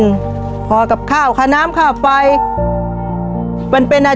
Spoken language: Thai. ชีวิตหนูเกิดมาเนี่ยอยู่กับดิน